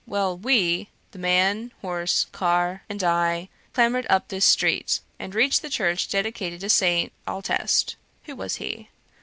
Well, we (the man, horse, car; and I) clambered up this street, and reached the church dedicated to St. Autest (who was he?)